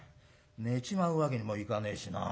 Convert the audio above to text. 寝ちまうわけにもいかねえしな。